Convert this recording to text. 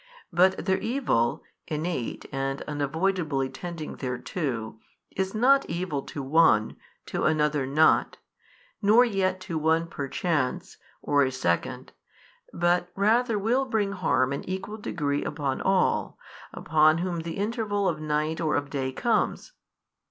but their evil, innate and unavoidably tending thereto, is not evil to one, to another not, nor yet to one perchance, or a second, but rather will bring harm in equal degree upon all, upon whom the interval of night or of day comes?